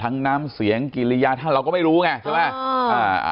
น้ำเสียงกิริยาท่านเราก็ไม่รู้ไงใช่ไหม